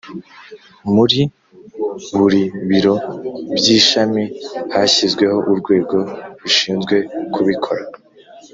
Muri buri biro by’ishami hashyizweho Urwego Rushinzwe kubikora